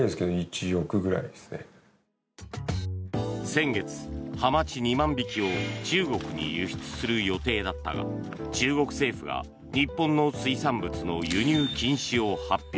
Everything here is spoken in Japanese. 先月、ハマチ２万匹を中国に輸出する予定だったが中国政府が日本の水産物の輸入禁止を発表。